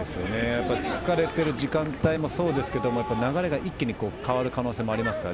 疲れている時間帯もそうですが流れが一気に変わる可能性があります。